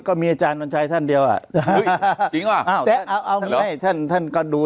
ก็มีอาจารย์บรรชายท่านเดียวอ่ะจริงหรออ้าวเอาอย่างงี้ท่านท่านก็ดู